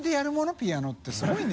ピアノってすごいね。））